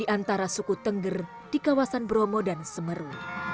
di antara suku tengger di kawasan bromo dan semeru